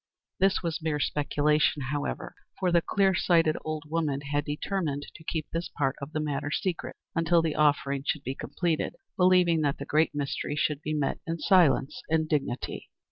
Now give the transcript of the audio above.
This was mere speculation, however, for the clear sighted old woman had determined to keep this part of the matter secret until the offering should be completed, believing that the "Great Mystery" should be met in silence and dignity.